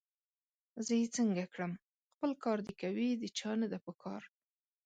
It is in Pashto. زه یې څنګه کړم! خپل کار دي کوي، د چا نه ده پکار